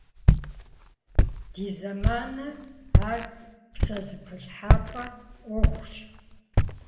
Ди зэманым ар псэзэпылъхьэпӀэ Ӏуэхущ.